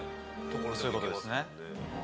そういうことですね。